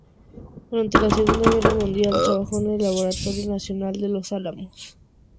Durante la Segunda guerra mundial, trabajó en el Laboratorio Nacional Los Álamos.